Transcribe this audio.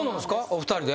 お二人で？